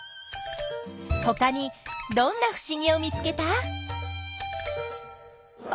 ほかにどんなふしぎを見つけた？